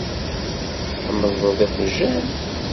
Tḥemmleḍ iqjan?